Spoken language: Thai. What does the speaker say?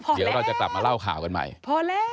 เดี๋ยวเราจะกลับมาเล่าข่าวกันใหม่พอแล้ว